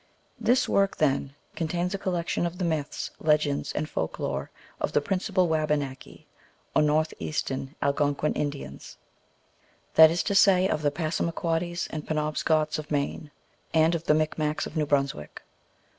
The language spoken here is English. . This work, then, contains a collection of the myths, legends, and folk lore of the principal Wabanaki, or Northeastern Algonquin, Indians; that is to say, of the Passamaquoddies and Penobscots of Maine, and of the Micmacs of New Brunswick.